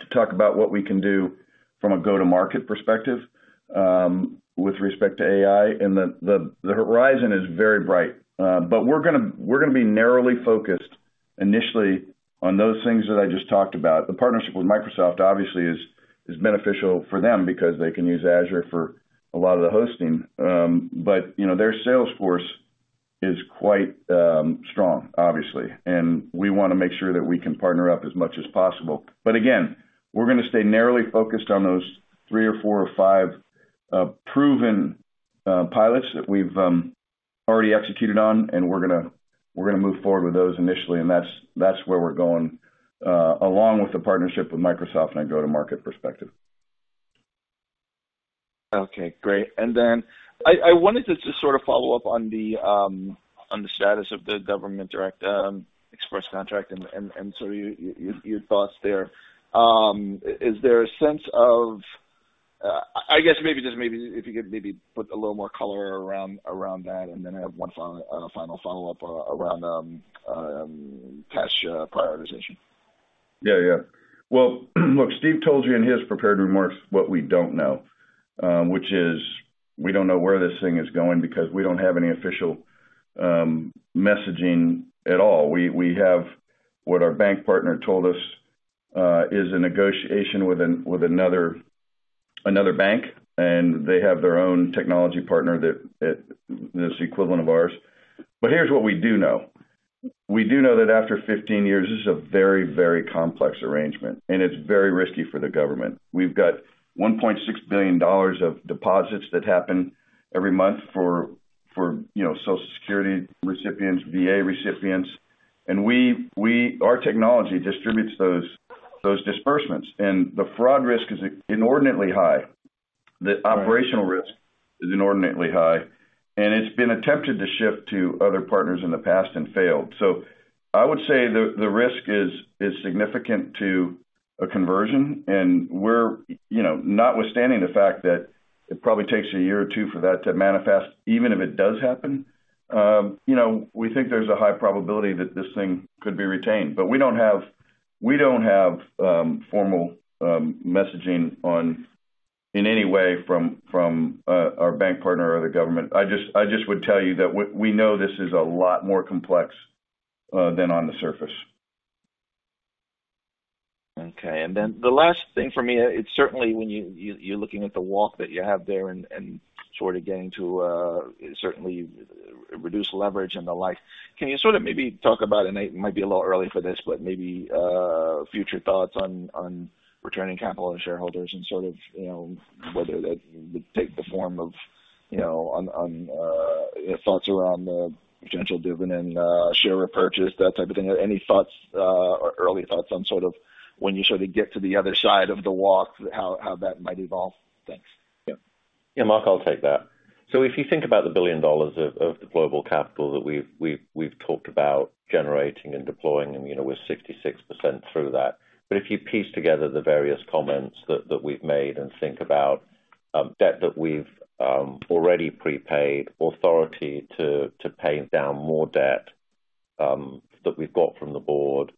to talk about what we can do from a go-to-market perspective, with respect to AI, and the horizon is very bright. But we're gonna be narrowly focused initially on those things that I just talked about. The partnership with Microsoft, obviously, is beneficial for them because they can use Azure for a lot of the hosting. But, you know, their sales force is quite strong, obviously, and we wanna make sure that we can partner up as much as possible. But again, we're gonna stay narrowly focused on those three or four or five proven pilots that we've already executed on, and we're gonna, we're gonna move forward with those initially, and that's, that's where we're going, along with the partnership with Microsoft and a go-to-market perspective. Okay, great. And then I wanted to just sort of follow up on the status of the government Direct Express contract and so your thoughts there. Is there a sense of... I guess maybe, just maybe if you could maybe put a little more color around that, and then I have one final follow-up around cash prioritization. Yeah, yeah. Well, look, Steve told you in his prepared remarks what we don't know, which is we don't know where this thing is going because we don't have any official messaging at all. We have what our bank partner told us is a negotiation with another bank, and they have their own technology partner that's the equivalent of ours. But here's what we do know. We do know that after 15 years, this is a very, very complex arrangement, and it's very risky for the government. We've got $1.6 billion of deposits that happen every month for, you know, Social Security recipients, VA recipients, and we, our technology distributes those disbursements, and the fraud risk is inordinately high. The operational risk is inordinately high, and it's been attempted to shift to other partners in the past and failed. So I would say the risk is significant to a conversion, and we're, you know, notwithstanding the fact that it probably takes a year or two for that to manifest, even if it does happen, you know, we think there's a high probability that this thing could be retained. But we don't have formal messaging on, in any way from, from our bank partner or the government. I just would tell you that we know this is a lot more complex than on the surface. Okay. And then the last thing for me, it's certainly when you're looking at the walk that you have there and sort of getting to certainly reduce leverage and the like. Can you sort of maybe talk about, and it might be a little early for this, but maybe future thoughts on returning capital and shareholders and sort of, you know, whether that would take the form of, you know, on thoughts around the potential dividend, share repurchase, that type of thing. Any thoughts or early thoughts on sort of when you sort of get to the other side of the walk, how that might evolve? Thanks. Yeah, Marc, I'll take that. So if you think about the $1 billion of deployable capital that we've talked about generating and deploying, and, you know, we're 66% through that. But if you piece together the various comments that we've made and think about debt that we've already prepaid, authority to pay down more debt that we've got from the board,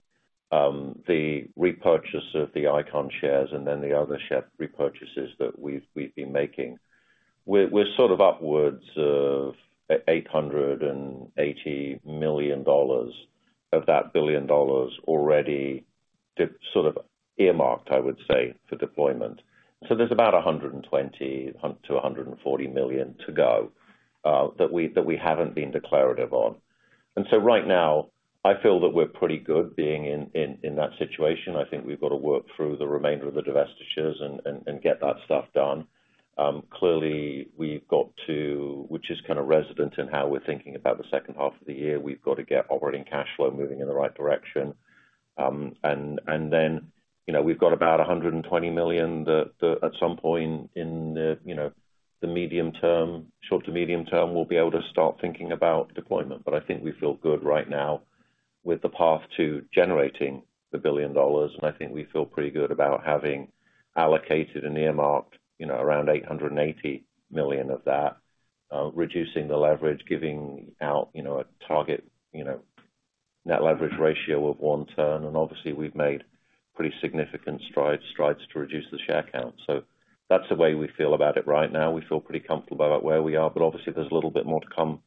the repurchase of the Icahn shares and then the other share repurchases that we've been making, we're sort of upwards of $880 million of that $1 billion already sort of earmarked, I would say, for deployment. So there's about $120 million-$140 million to go that we haven't been declarative on. Right now, I feel that we're pretty good being in that situation. I think we've got to work through the remainder of the divestitures and get that stuff done. Clearly, we've got to, which is kind of resident in how we're thinking about the second half of the year. We've got to get operating cash flow moving in the right direction. Then, you know, we've got about $120 million that at some point in the, you know, the medium term, short to medium term, we'll be able to start thinking about deployment. But I think we feel good right now with the path to generating $1 billion. I think we feel pretty good about having allocated and earmarked, you know, around $880 million of that, reducing the leverage, giving out, you know, a target, you know, net leverage ratio of one turn. Obviously, we've made pretty significant strides, strides to reduce the share count. That's the way we feel about it right now. We feel pretty comfortable about where we are, but obviously, there's a little bit more to come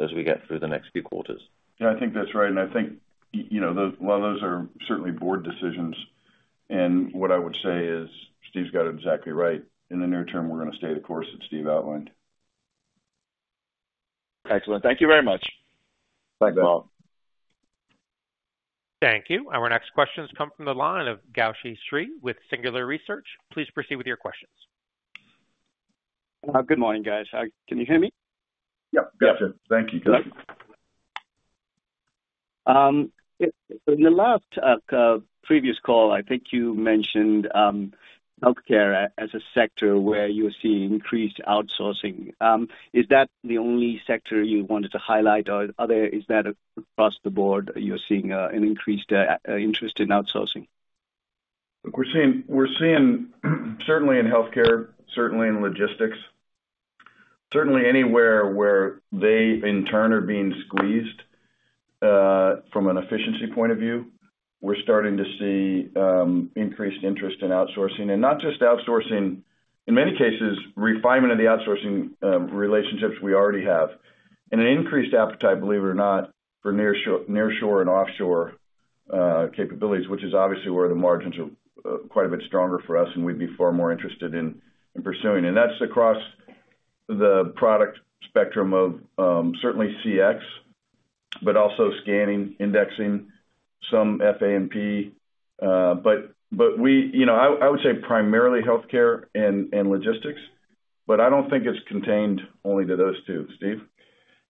as we get through the next few quarters. Yeah, I think that's right. And I think, you know, those, while those are certainly board decisions, and what I would say is Steve's got it exactly right. In the near term, we're gonna stay the course that Steve outlined. Excellent. Thank you very much. Thanks, Marc. Thank you. Our next questions come from the line of Gowshi Sri with Singular Research. Please proceed with your questions. Good morning, guys. Can you hear me? Yep, got you. Thank you. In the last previous call, I think you mentioned, healthcare as a sector where you're seeing increased outsourcing. Is that the only sector you wanted to highlight, or is that across the board, you're seeing an increased interest in outsourcing? We're seeing certainly in healthcare, certainly in logistics, certainly anywhere where they, in turn, are being squeezed from an efficiency point of view. We're starting to see increased interest in outsourcing. And not just outsourcing, in many cases, refinement of the outsourcing relationships we already have. And an increased appetite, believe it or not, for nearshore and offshore capabilities, which is obviously where the margins are quite a bit stronger for us, and we'd be far more interested in pursuing. And that's across the product spectrum of certainly CX, but also scanning, indexing, some FAMP. But we... You know, I would say primarily healthcare and logistics, but I don't think it's contained only to those two. Steve?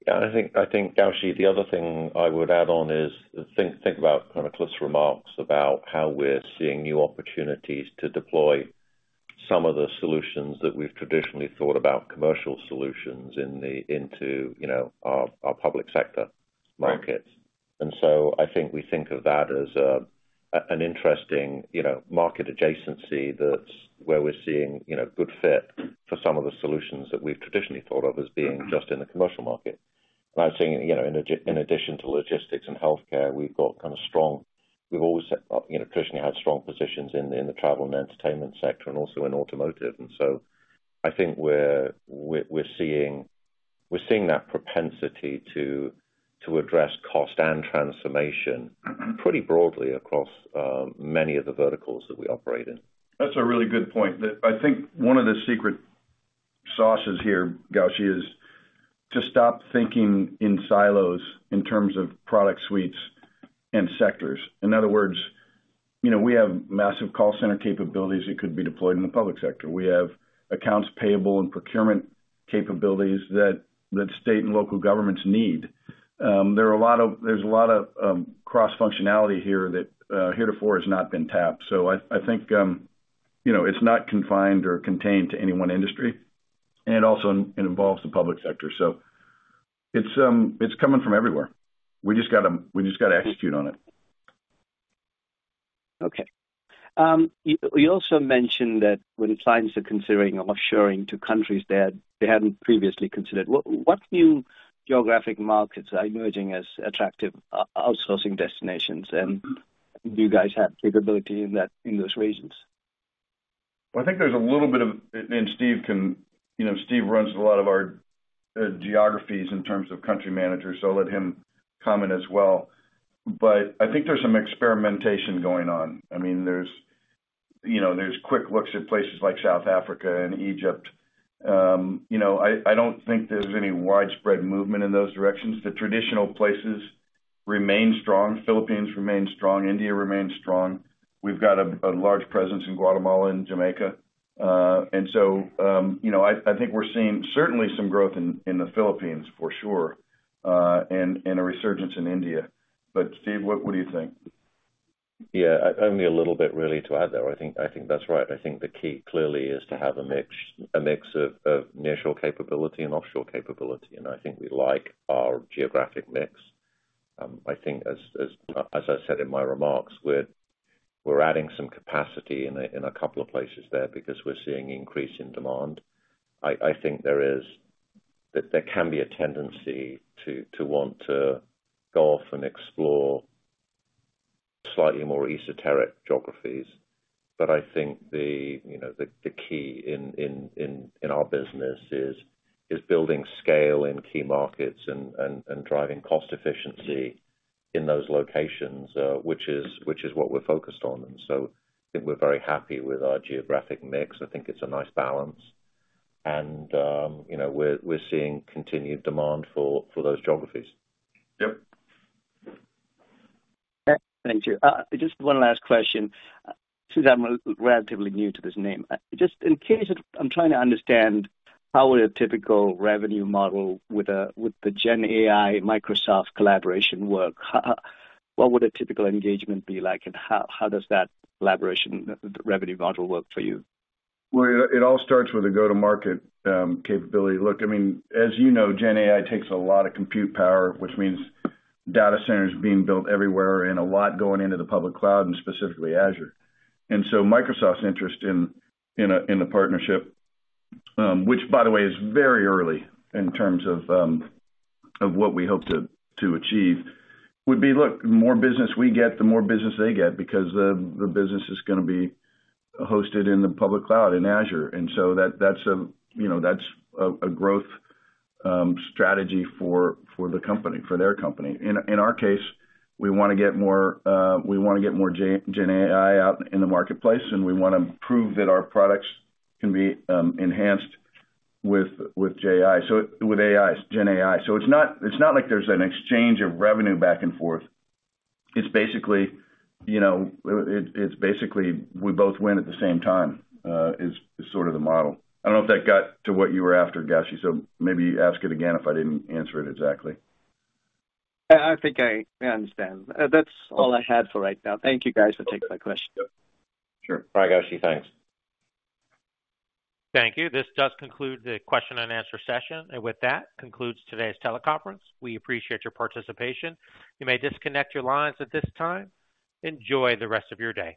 Yeah, I think, Gowshi, the other thing I would add on is think about kind of Cliff's remarks about how we're seeing new opportunities to deploy some of the solutions that we've traditionally thought about commercial solutions into, you know, our public sector markets. And so I think we think of that as an interesting, you know, market adjacency that's where we're seeing, you know, good fit for some of the solutions that we've traditionally thought of as being just in the commercial market. And I was saying, you know, in addition to logistics and healthcare, we've got kind of strong, we've always, you know, traditionally had strong positions in the travel and entertainment sector and also in automotive. And so I think we're seeing-... We're seeing that propensity to address cost and transformation pretty broadly across many of the verticals that we operate in. That's a really good point. That I think one of the secret sauces here, Gowshi, is to stop thinking in silos in terms of product suites and sectors. In other words, you know, we have massive call center capabilities that could be deployed in the public sector. We have accounts payable and procurement capabilities that state and local governments need. There's a lot of cross-functionality here that heretofore has not been tapped. So I think, you know, it's not confined or contained to any one industry, and it also involves the public sector. So it's coming from everywhere. We just gotta, we just gotta execute on it. Okay. You also mentioned that when clients are considering offshoring to countries they had, they hadn't previously considered, what new geographic markets are emerging as attractive outsourcing destinations? And do you guys have capability in that, in those regions? Well, I think there's a little bit of, and Steve can-- you know, Steve runs a lot of our geographies in terms of country managers, so I'll let him comment as well. But I think there's some experimentation going on. I mean, there's, you know, there's quick looks at places like South Africa and Egypt. You know, I, I don't think there's any widespread movement in those directions. The traditional places remain strong. Philippines remain strong, India remain strong. We've got a large presence in Guatemala and Jamaica. And so, you know, I, I think we're seeing certainly some growth in the Philippines, for sure, and a resurgence in India. But Steve, what do you think? Yeah, only a little bit really to add there. I think, I think that's right. I think the key clearly is to have a mix of initial capability and offshore capability, and I think we like our geographic mix. I think as I said in my remarks, we're adding some capacity in a couple of places there because we're seeing increase in demand. I think there can be a tendency to want to go off and explore slightly more esoteric geographies. But I think the, you know, the key in our business is building scale in key markets and driving cost efficiency in those locations, which is what we're focused on. And so I think we're very happy with our geographic mix. I think it's a nice balance. You know, we're seeing continued demand for those geographies. Yep. Thank you. Just one last question, since I'm relatively new to this name. Just in case, I'm trying to understand, how would a typical revenue model with the GenAI-Microsoft collaboration work? What would a typical engagement be like, and how does that collaboration revenue model work for you? Well, it all starts with a go-to-market capability. Look, I mean, as you know, GenAI takes a lot of compute power, which means data centers being built everywhere and a lot going into the public cloud, and specifically Azure. And so Microsoft's interest in a partnership, which by the way, is very early in terms of what we hope to achieve, would be, look, the more business we get, the more business they get, because the business is gonna be hosted in the public cloud, in Azure. And so that, that's a, you know, that's a growth strategy for the company, for their company. In our case, we wanna get more GenAI out in the marketplace, and we wanna prove that our products can be enhanced with GenAI, so with AI, GenAI. So it's not like there's an exchange of revenue back and forth. It's basically, you know, it's basically we both win at the same time is sort of the model. I don't know if that got to what you were after, Gowshi, so maybe ask it again if I didn't answer it exactly. I think I understand. That's all I had for right now. Thank you, guys, for taking my question. Sure. Bye, Gowshi. Thanks. Thank you. This does conclude the question-and-answer session. And with that, concludes today's teleconference. We appreciate your participation. You may disconnect your lines at this time. Enjoy the rest of your day.